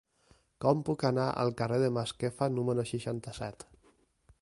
Com puc anar al carrer de Masquefa número seixanta-set?